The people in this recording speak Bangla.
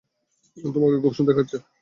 তোমাকে খুব সুন্দর দেখাচ্ছে।